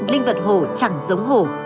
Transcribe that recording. linh vật hổ chẳng giống hổ